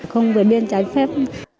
không vượt biên trái phép